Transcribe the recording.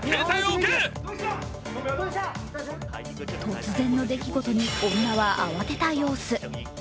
突然の出来事に女は慌てた様子。